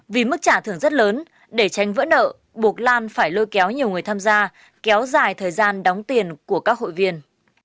vì mức trả thưởng rất lớn để tránh vỡ nợ buộc lan phải lôi kéo nhiều người tham gia kéo dài thời gian đóng tiền của các hội viên